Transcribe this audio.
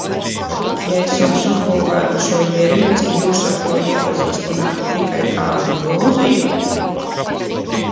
Ja es jums uzbūvētu šo ierīci, jūs ar to iepazīstinātu tikai kā ar ilūziju?